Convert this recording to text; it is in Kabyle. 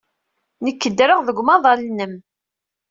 Nekk ddreɣ deg umaḍal-nnem.